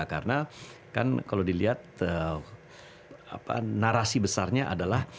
karena kan kalau dilihat narasi besarnya adalah